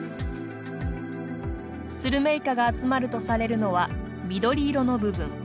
スルメイカが集まるとされるのは緑色の部分。